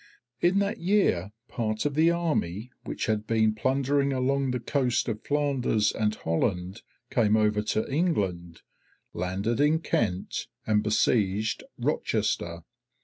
In that year part of the army which had been plundering along the coast of Flanders and Holland came over to England, landed in Kent, and besieged Rochester.